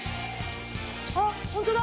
あっホントだ！